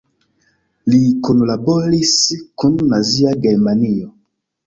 Li kunlaboris kun Nazia Germanio.